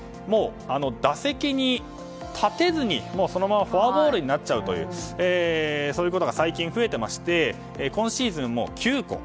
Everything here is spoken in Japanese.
打席に立てずに、そのままフォアボールになっちゃうというそういうことが最近増えていまして今シーズンもう９個。